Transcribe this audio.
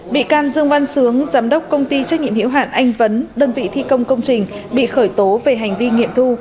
bị can dương văn sướng giám đốc công ty trách nhiệm hiệu hạn anh vấn đơn vị thi công công trình bị khởi tố về hành vi nghiệm thu